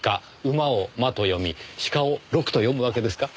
馬を「ま」と読み鹿を「ろく」と読むわけですか？